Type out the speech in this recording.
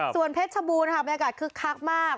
ส่วนเพชรชบูรณ์ค่ะบรรยากาศคึกคักมาก